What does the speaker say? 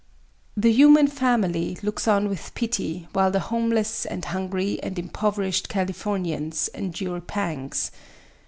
The human family looks on with pity while the homeless and hungry and impoverished Californians endure pangs.